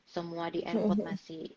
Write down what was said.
semua di airport masih